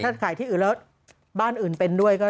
ถ้าขายที่อื่นแล้วบ้านอื่นเป็นด้วยก็